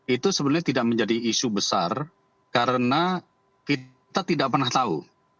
itu sebenarnya tidak menjadi isu besar karena kita tidak pernah tahu